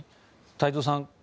太蔵さん